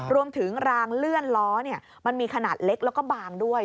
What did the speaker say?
รางเลื่อนล้อมันมีขนาดเล็กแล้วก็บางด้วย